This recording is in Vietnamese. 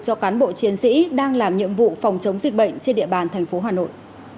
cho cán bộ chiến sĩ đang làm nhiệm vụ phòng chống dịch bệnh trên địa bàn thành phố hà nội